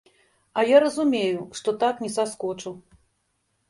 А я разумею, што так не саскочу.